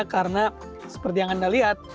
karena seperti yang anda lihat